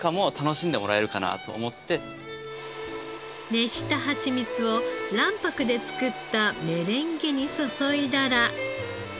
熱したハチミツを卵白で作ったメレンゲに注いだら。